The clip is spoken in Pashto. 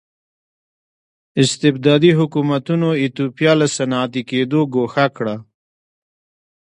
استبدادي حکومتونو ایتوپیا له صنعتي کېدو ګوښه کړه.